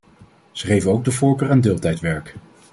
Ze geven ook de voorkeur aan deeltijdwerk.